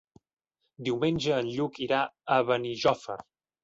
Diumenge en Lluc irà a Benijòfar.